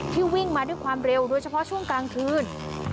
วิ่งมาด้วยความเร็วโดยเฉพาะช่วงกลางคืน